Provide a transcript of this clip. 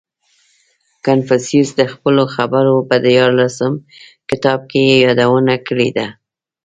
• کنفوسیوس د خپلو خبرو په دیارلسم کتاب کې یې یادونه کړې ده.